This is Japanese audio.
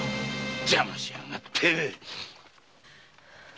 邪魔しやがって！